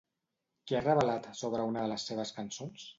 Què ha revelat sobre una de les seves cançons?